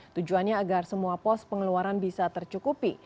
tujuannya agar semua pos pengeluaran bisa tercukupi